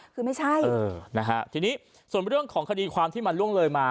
คือไม่ใช่นะฮะทีนี้ส่วนเรื่องของคดีความที่มันล่วงเลยมา